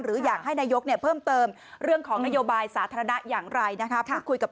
หรืออยากให้นายกเนี่ยเพิ่มเติมเรื่องของนโยบายสาธารณะอย่างไรนะคะ